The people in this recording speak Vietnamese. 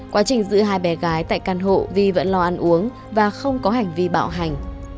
quá trình giữ hai bé gái tại căn hộ vi vẫn lo ăn uống và không có hành vi bạo hành